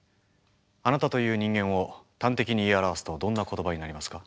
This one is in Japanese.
あなたという人間を端的に言い表すとどんな言葉になりますか？